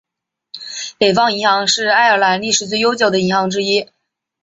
北方银行是爱尔兰历史最悠久的银行之一。